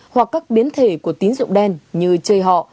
hoặc các biến thể của tín dụng đen như chơi họ